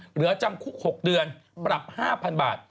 เหลือจำคุก๖เดือนปรับ๕๐๐๐บาท